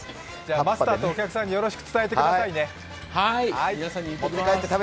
マスターとお客さんによろしく伝えてくださいね。